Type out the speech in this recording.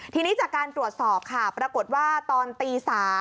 ทีนี้จากการตรวจสอบค่ะปรากฏว่าตอนตี๓